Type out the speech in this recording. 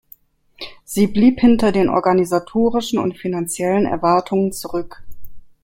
Sie blieb hinter den organisatorischen und finanziellen Erwartungen zurück.